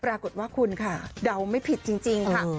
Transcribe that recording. ปรากฏว่าคุณค่ะเดาไม่ผิดจริงค่ะ